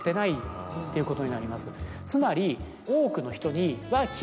つまり。